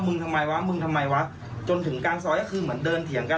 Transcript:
ทำไมวะมึงทำไมวะจนถึงกลางซอยก็คือเหมือนเดินเถียงกัน